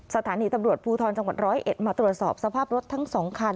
สถานีตำรวจภูทรจังหวัดร้อยเอ็ดมาตรวจสอบสภาพรถทั้ง๒คัน